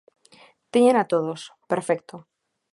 Téñena todos, perfecto.